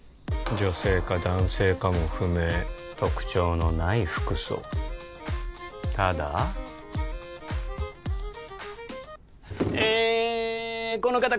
女性か男性かも不明特徴のない服装ただえこの方